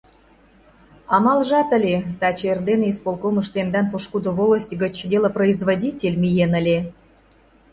Амалжат ыле: таче эрдене исполкомыш тендан пошкудо волость гыч делопроизводитель миен ыле.